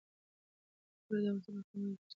وګړي د افغانستان د اقتصادي منابعو ارزښت زیاتوي.